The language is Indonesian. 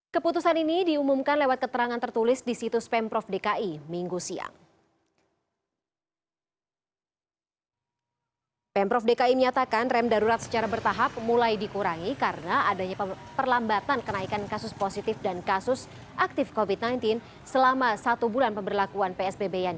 keputusan ini diumumkan lewat keterangan tertulis di situs pemprov dki minggu siang